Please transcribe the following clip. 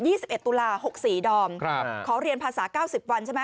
สิบเอ็ดตุลาหกสี่ดอมครับขอเรียนภาษาเก้าสิบวันใช่ไหม